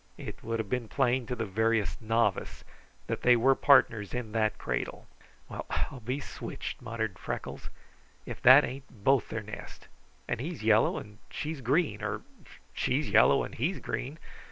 It would have been plain to the veriest novice that they were partners in that cradle. "Well, I'll be switched!" muttered Freckles. "If that ain't both their nest! And he's yellow and she's green, or she's yellow and he's green.